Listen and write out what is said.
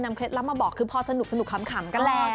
เคล็ดลับมาบอกคือพอสนุกขำกันแหละ